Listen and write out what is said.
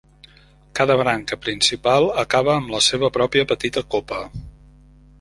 Cada branca principal acaba amb la seva pròpia petita copa.